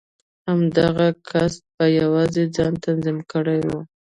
همدغه کس په يوازې ځان تنظيم کړی و.